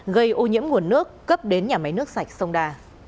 gây ô nhiễm nguồn nước cấp đến nhà máy nước sạch sông đà